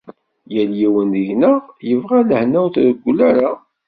Yal yiwen deg-neɣ yebɣa lehna ur trewwel ara.